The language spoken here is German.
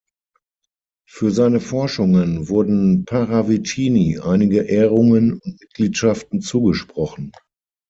Für seine Forschungen wurden Paravicini einige Ehrungen und Mitgliedschaften zugesprochen.